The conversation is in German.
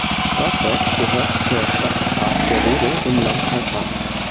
Straßberg gehört zur Stadt Harzgerode im Landkreis Harz.